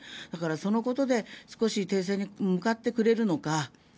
だから、そのことで少し停戦に向かってくれるのか。